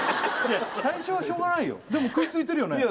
最初はしょうがないよでも食いついてるよね？